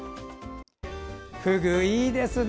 フグいいですね！